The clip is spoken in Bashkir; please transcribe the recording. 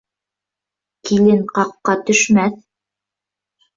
Килен ҡаҡҡа төшмәҫ.